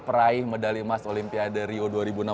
peraih medali emas olimpiade rio dua ribu enam belas